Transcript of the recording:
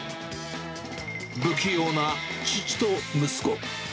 不器用な父と息子。